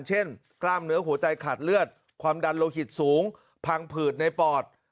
กล้ามเนื้อหัวใจขาดเลือดความดันโลหิตสูงพังผืดในปอด